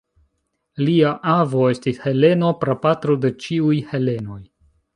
Lia avo estis Heleno, prapatro de ĉiuj helenoj.